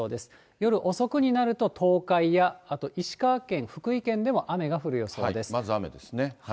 夜遅くになると、東海やあと石川県、まず雨ですね。